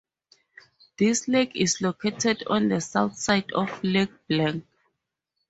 This lake is located on the south side of Lac Blanc.